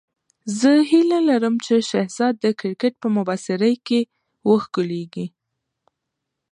زه هیله لرم چې شهزاد د کرکټ په مبصرۍ کې وښکلېږي.